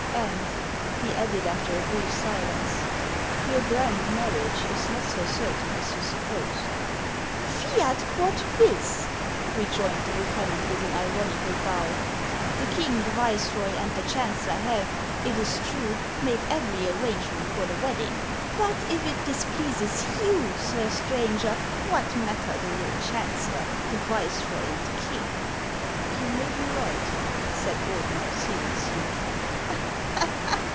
And," he added, after a brief silence, "your grand marriage is not so certain as you suppose." " Fiat quod vis" rejoined the lieutenant, with an ironical bow ;" the king, the viceroy, and the chancellor have, it is true, made every arrangement for the wedding ; but if it displeases you, Sir Stranger, what matter the lord chan cellor, the viceroy, and the king !"•'' You may be right," said Ordeuer, seriously.